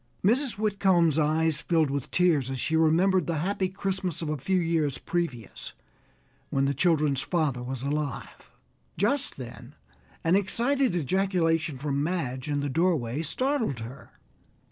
Mrs. Whitcomb's eyes filled with tears as she remembered the happy Christmas of a few years previous, when the children's father was alive. Just then an excited ejaculation from Madge in the doorway startled her.